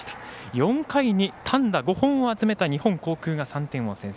４回に単打５本を集めた日本航空が３点を先制。